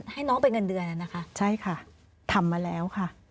ให้น้องเป็นเงินเดือนแล้วนะคะใช่ค่ะทำมาแล้วค่ะ